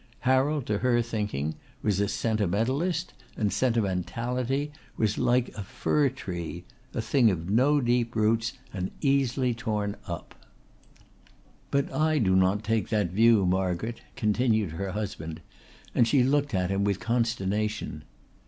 Harold, to her thinking, was a sentimentalist and sentimentality was like a fir tree a thing of no deep roots and easily torn up. "But I do not take that view, Margaret," continued her husband, and she looked at him with consternation.